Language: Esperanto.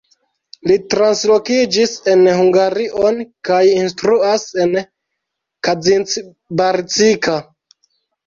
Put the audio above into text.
Li translokiĝis en Hungarion kaj instruas en Kazincbarcika.